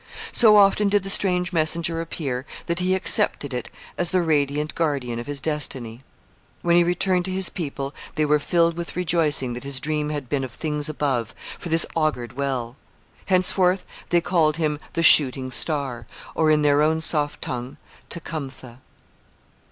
So often did the strange messenger appear that he accepted it as the radiant guardian of his destiny. When he returned to his people they were filled with rejoicing that his dream had been of things above, for this augured well. Henceforth they called him 'the shooting star,' or, in their own soft tongue, 'Tecumtha.'